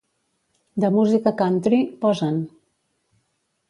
De música country, posa'n.